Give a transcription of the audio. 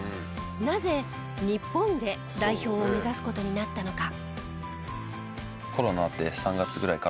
なぜ日本で代表を目指す事になったのか？